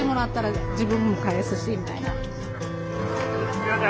すいません。